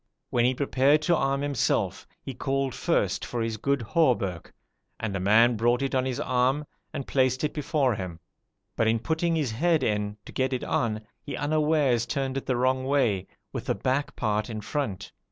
When he prepared to arm himself, he called first for his good hauberk, and a man brought it on his arm, and placed it before him, but in putting his head in, to get it on, he unawares turned it the wrong way, with the back part in front.